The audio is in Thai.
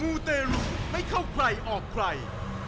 ูเตรุไม่เข้าใครออกใคร